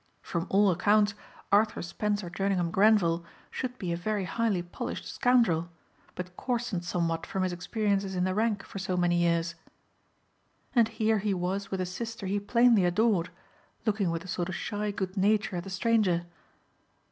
From all accounts Arthur Spencer Jerningham Grenvil should be a very highly polished scoundrel but coarsened somewhat from his experiences in the ranks for so many years. And here he was with a sister he plainly adored, looking with a sort of shy good nature at the stranger.